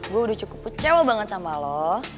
gue udah cukup kecewa banget sama lo